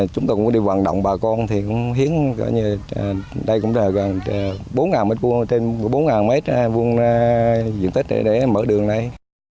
chúng tôi cũng đi vận động bà con thì cũng hiến gần bốn m hai trên bốn m hai diện tích để mở đường này